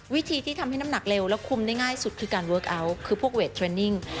วิธีที่ทำให้น้ำหนักเร็วและคุมได้ง่ายสุดคือการเวทเทรนนิ่ง